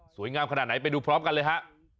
งามขนาดไหนไปดูพร้อมกันเลยฮะ